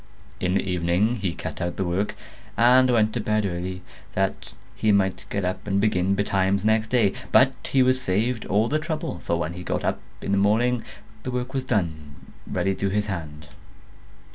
In the evening he cut out the work, and went to bed early, that he might get up and begin betimes next day; but he was saved all the trouble, for when he got up in the morning the work was done ready to his hand.